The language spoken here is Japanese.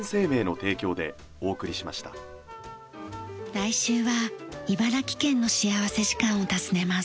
来週は茨城県の幸福時間を訪ねます。